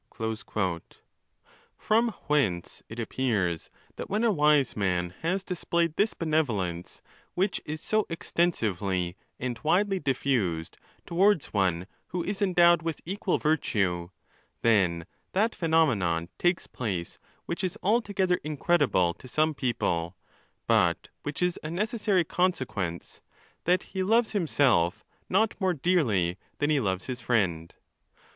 From whence it appears, that when a wise man has displayed this benevo lence which is so extensively and widely diffused towards one who is endowed with equal virtue, then that phenonemon takes place which is altogether incredible to some people, but which is a necessary consequence, that he loves himself not more dearly than he loves his friend.